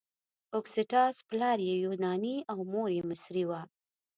اګسټاس پلار یې یوناني او مور یې مصري وه.